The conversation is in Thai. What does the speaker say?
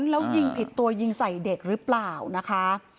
แล้วยิงผิดตัวยิงใส่เด็กหรือเปล่านะคะ